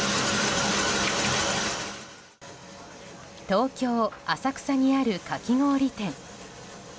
東京・浅草にあるかき氷店。